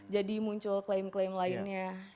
jadi muncul klaim klaim lainnya